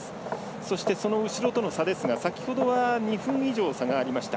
そしてその後ろとの差ですが先ほどは２分以上、差がありました。